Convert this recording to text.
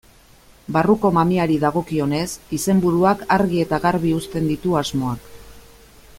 Barruko mamiari dagokionez, izenburuak argi eta garbi uzten ditu asmoak.